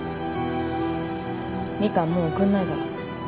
ミカンもう送んないから。